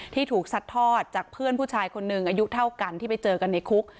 ถูกซัดทอดจากเพื่อนผู้ชายคนหนึ่งอายุเท่ากันที่ไปเจอกันในคุก